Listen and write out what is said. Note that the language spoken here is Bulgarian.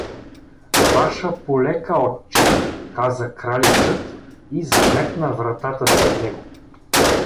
— Ваша полека, отче — каза Краличът и заметна вратата след него.